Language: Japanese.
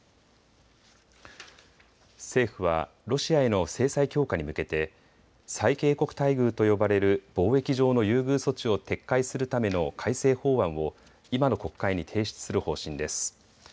政府はロシアへの制裁強化に向けて最恵国待遇と呼ばれる貿易上の優遇措置を撤回するための改正法案を今の国会に提出する方針です。